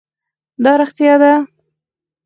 دا رښتیا ده.